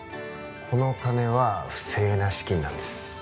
この金は不正な資金なんです